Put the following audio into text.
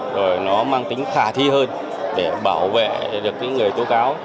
rồi nó mang tính khả thi hơn để bảo vệ được cái người tố cáo